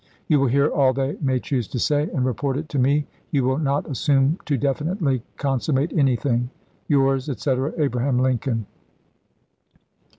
You will hear all they may choose to say, and report it to me. You will not assume to definitely con summate anything. Yours, etc., Abraham Lincoln.